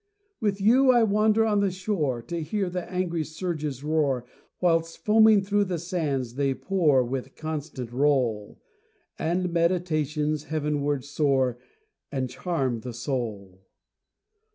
With you I wander on the shore To hear the angry surges roar, Whilst foaming through the sands they pour With constant roll, And meditations heavenward soar, And charm the soul.